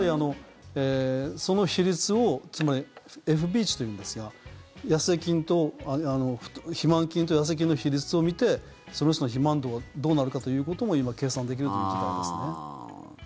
その比率を、つまりＦＢ値というんですが肥満菌と痩せ菌の比率を見てその人の肥満度がどうなるかということも今、計算できるという時代ですね。